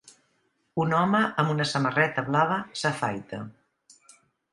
Un home amb una samarreta blava s'afaita.